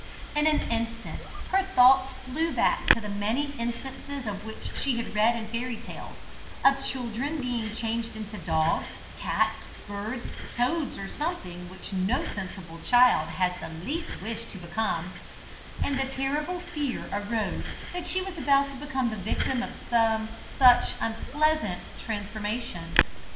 In an instant her thoughts flew back to the many instances of which she had read in fairy tales, of children being changed into dogs, cats, birds, toads, or something which no sensible child has the least wish to become; and the terrible fear arose that she was about to become the victim of some such unpleasant transformation.